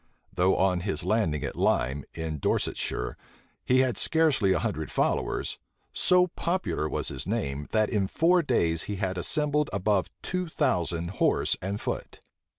Though on his landing at Lime, in Dorsetshire, he had scarcely a hundred followers, so popular was his name, that in four days he had assembled above two thousand horse and foot.